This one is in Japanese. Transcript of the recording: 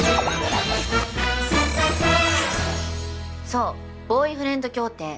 そうボーイフレンド協定。